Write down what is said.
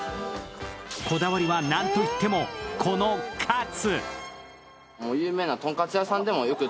こだわりは何といっても、このカツ。